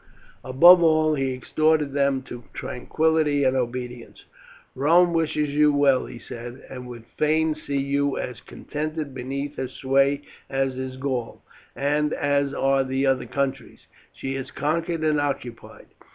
Above all he exhorted them to tranquillity and obedience. "Rome wishes you well," he said, "and would fain see you as contented beneath her sway as is Gaul, and as are the other countries she has conquered and occupied.